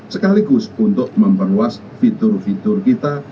dan juga memperluas fitur fitur kita